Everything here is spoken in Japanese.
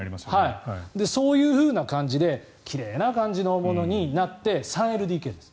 そういうふうな感じで奇麗な感じのものになって３ＬＤＫです。